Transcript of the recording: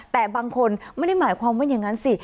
แต่บางคนไม่ได้หมายความว่าอย่างนั้นสิ